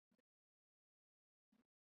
坤下坎上。